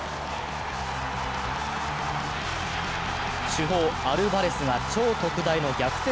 主砲・アルバレスが超特大の逆転